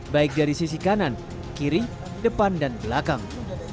baik dari sisi kanan kiri depan dan belakang